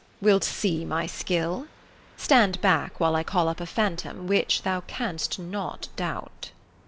Wilt see my skill. Stand back while I call up a phantom which thou canst not doubt.